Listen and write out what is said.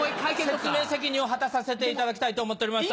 説明責任を果たさせていただきたいと思っておりました。